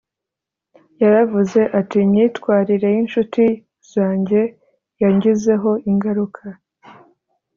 Yaravuze ati “imyitwarire y incuti zanjye yangizeho ingaruka”